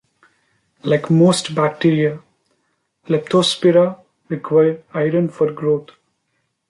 Like most bacteria, "Leptospira" require iron for growth.